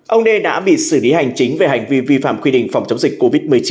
ông đê đã bị xử lý hành chính về hành vi vi phạm quy định phòng chống dịch covid một mươi chín